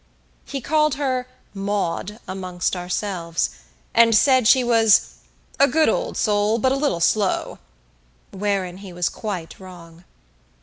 He called her "Maud," amongst ourselves, and said she was "a good old soul, but a little slow"; wherein he was quite wrong.